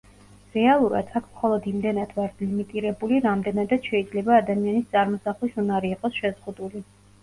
რეალურად, აქ მხოლოდ იმდენად ვართ ლიმიტირებული, რამდენადაც შეიძლება ადამიანის წარმოსახვის უნარი იყოს შეზღუდული.